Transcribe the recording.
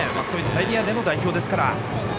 そういったエリアの代表ですから。